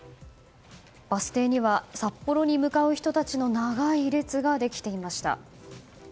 バス停には札幌に向かう人たちの長い列ができていました。